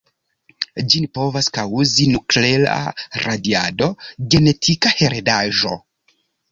Ĝin povas kaŭzi nuklea radiado, genetika heredaĵo.